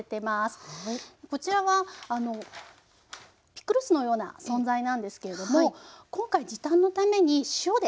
こちらはあのピクルスのような存在なんですけれども今回時短のために塩で。